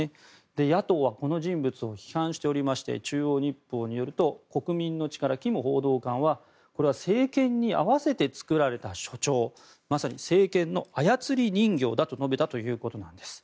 野党はこの人物を批判しておりまして中央日報によると国民の力、キム報道官はこれは政権に合わせて作られた処長まさに政権の操り人形だと述べたということです。